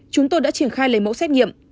chúng tôi đã triển khai lấy mẫu xét nghiệm